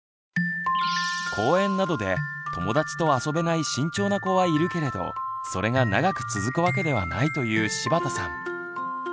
公園などで友達と遊べない慎重な子はいるけれどそれが長く続くわけではないという柴田さん。